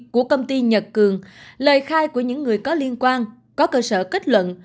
của công ty nhật cường lời khai của những người có liên quan có cơ sở kết luận